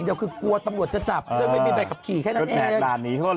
กลัวคือกลัวตำรวจจะจับก็ไม่มีไปกับขี่แค่นั้นเอง